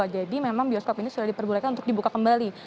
jadi memang bioskop ini sudah diperbolehkan untuk dibuka kembali